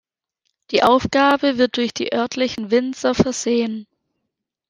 Die Aufgabe wird durch die örtlichen Winzer versehen.